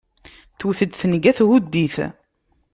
Tewwet-d tenga thudd-it.